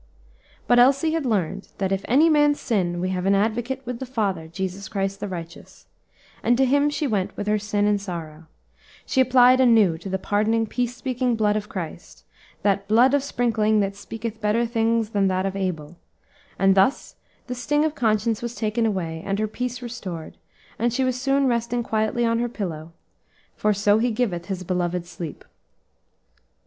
But Elsie had learned that "if any man sin, we have an advocate with the Father, Jesus Christ the righteous," and to Him she went with her sin and sorrow; she applied anew to the pardoning, peace speaking blood of Christ that "blood of sprinkling that speaketh better things than that of Abel;" and thus the sting of conscience was taken away and her peace restored, and she was soon resting quietly on her pillow, for, "so He giveth His beloved sleep."